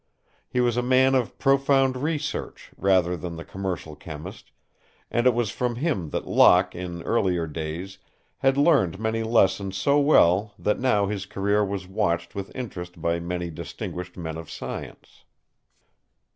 He was a man of profound research, rather than the commercial chemist, and it was from him that Locke, in earlier days, had learned many lessons so well that now his career was watched with interest by many distinguished men of science.